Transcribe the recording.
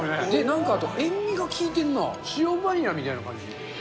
なんか塩味が効いてるな、塩バニラみたいな感じ。